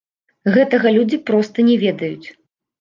Гэтага людзі проста не ведаюць.